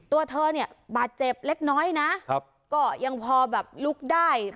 ตัวเธอเนี่ยบาดเจ็บเล็กน้อยนะก็ยังพอแบบลุกได้